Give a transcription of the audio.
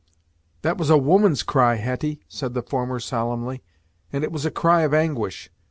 "That was a woman's cry, Hetty," said the former solemnly, "and it was a cry of anguish!